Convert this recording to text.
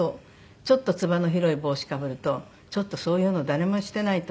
ちょっとつばの広い帽子かぶると「ちょっとそういうの誰もしてない」と。